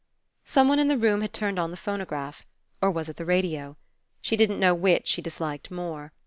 Someone in the room had turned on the phonograph. Or was it the radio? She didn't know which she disliked more.